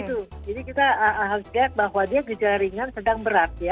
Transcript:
nah itu jadi kita agak bahwa dia gejala ringan sedang berat ya